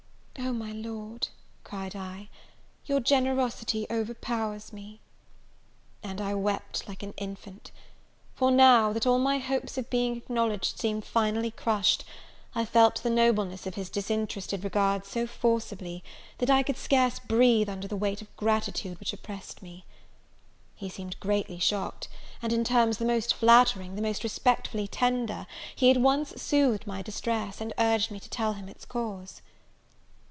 "Oh, my Lord," cried I, "your generosity overpowers me!" And I wept like an infant. For now, that all my hopes of being acknowledged seemed finally crushed, I felt the nobleness of his disinterested regard so forcibly, that I could scarce breathe under the weight of gratitude which oppressed me. He seemed greatly shocked; and, in terms the most flattering, the most respectfully tender, he at once soothed my distress, and urged me to tell him its cause.